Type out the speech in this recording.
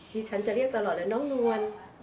ที่ฉันจะเรียกตลอดเลยน้องนวล